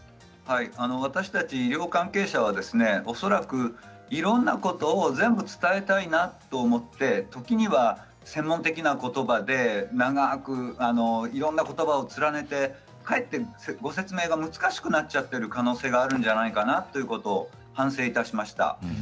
私たち医療関係者は恐らくいろいろなことを全部、伝えたいと思って時には専門的なことばで長くいろいろなことばを連ねてかえって説明が難しくなっている可能性があるんじゃないかと反省しました。